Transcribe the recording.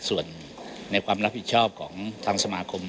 ส่วนในความรับผิดชอบของทางสมาคม